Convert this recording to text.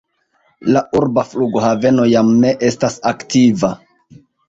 La urba flughaveno jam ne estas aktiva.